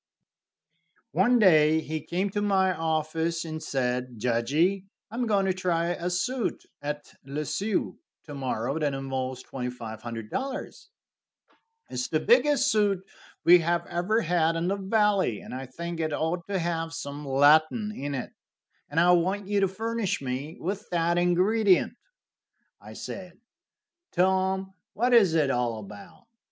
One day he came to my office and said: "Judgey, I am going to try a suit at Le Sueur to morrow that involves $2,500. It is the biggest suit we have ever had in the valley, and I think it ought to have some Latin in it, and I want you to furnish me with that ingredient." I said: "Tom, what is it all about?